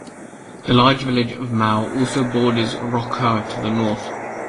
The large village of Mau also borders Rokha to the north.